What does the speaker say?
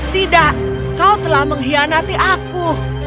tidak kau telah mengkhianati aku